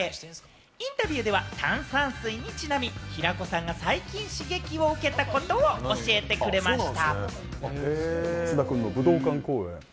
インタビューでは炭酸水にちなみ、平子さんが最近、刺激を受けたことを教えてくれました。